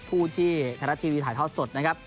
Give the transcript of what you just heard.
ผู้ที่ไทยรัฐทีวีถ่ายทอดสดนะครับ